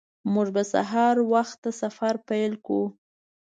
موږ به سهار وخته سفر پیل کړو